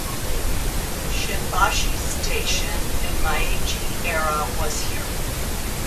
Shinbashi Station in Meiji era was here.